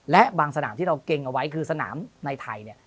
และบางสนามที่เราเกรงเอาไว้คือสนามในไทยเนี่ย